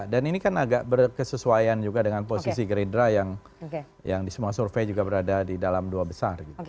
dan ini kan agak berkesesuaian juga dengan posisi gerindra yang di semua survei juga berada di dalam dua besar